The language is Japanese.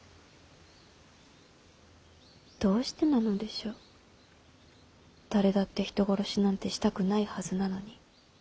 どうしてなのでしょう誰だって人殺しなんてしたくないはずなのに。